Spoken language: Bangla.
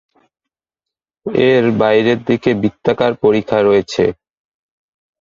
এর বাইরের দিকে একটি বৃত্তাকার পরিখা রয়েছে।